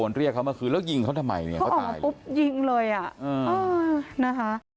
แล้วยิงเขาทำไมเนี่ยเขาตายหรือเปล่าเขาออกปุ๊บยิงเลยนะฮะ